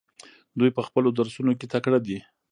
دوی په خپلو درسونو کې تکړه دي.